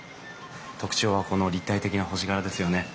特徴はこの立体的な星柄ですよね。